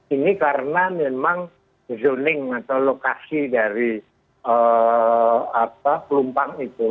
ini karena memang zoning atau lokasi dari pelumpang itu